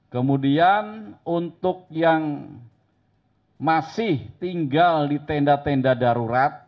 kemudian untuk yang masih tinggal di tenda tenda darurat